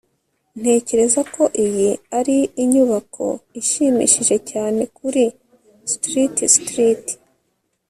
ntekereza ko iyi ari inyubako ishimishije cyane kuri street street